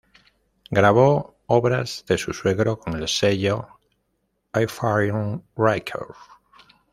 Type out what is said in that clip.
Grabó obras de su suegro con el sello Hyperion Records.